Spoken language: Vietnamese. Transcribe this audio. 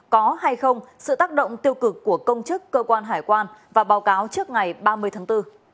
có hay không sự tác động tiêu cực của công chức cơ quan hải quan và báo cáo trước ngày ba mươi tháng bốn